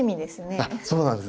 あっそうなんです。